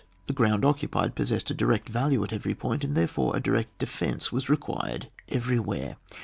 The ground occupied possessed a direoi value at every point, and therefore a direct defence was required everywhere.